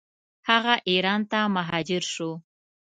هغه ایران ته مهاجر شو.